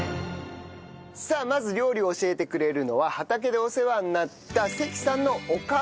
さあまず料理を教えてくれるのは畑でお世話になった関さんのお母様です。